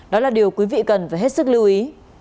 đó là điều quý vị cần phải hết sức lưu ý